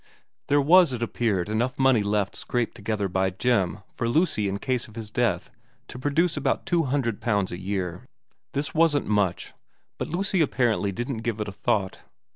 There was, it appeared, enough money left scraped together by Jim for Lucy in case of his death to produce about two hundred pounds a year. This wasn't much ; but Lucy apparently didn't give it a thought.